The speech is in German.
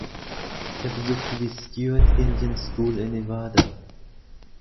Er besuchte die Stewart Indian School in Nevada.